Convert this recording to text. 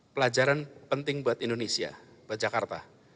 pelajaran penting buat indonesia buat jakarta